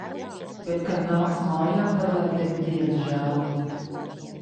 Bet kad nāks mājā, tad lai tevi Dievs žēlo.